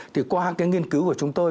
thì qua cái nghiên cứu của chúng tôi